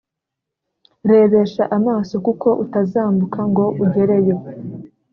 Rebesha amaso kuko utazambuka ngo ugereyo